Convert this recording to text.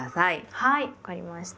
はい分かりました。